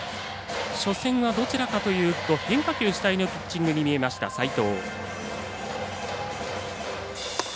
初戦はどちらかというと変化球主体のピッチングに見えた齋藤。